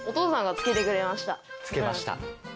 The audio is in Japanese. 付けました。